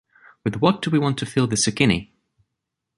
With what do we want to fill the zucchini?